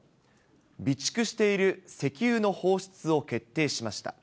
備蓄している石油の放出を決定しました。